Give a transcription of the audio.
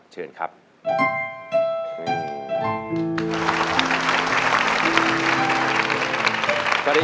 สวัสดีครับคุณอีท